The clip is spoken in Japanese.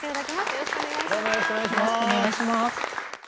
よろしくお願いします。